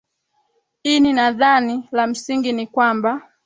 ini nadhani la msingi ni kwamba